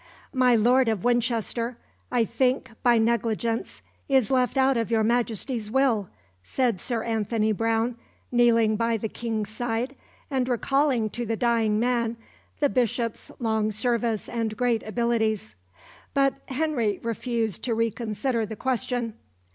"My Lord of Winchester I think by negligence is left out of Your Majesty's will," said Sir Anthony Browne, kneeling by the King's side, and recalling to the dying man the Bishop's long service and great abilities. But Henry refused to reconsider the question.